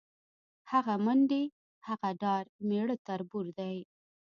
هغه منډې، هغه ډار میړه تربور دی